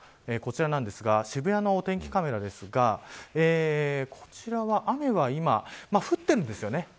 こちらなんですが渋谷のお天気カメラですがこちらは雨は今、降っているんですよね。